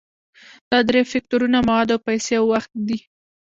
دا درې فکتورونه مواد او پیسې او وخت دي.